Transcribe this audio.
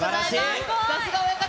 さすが親方。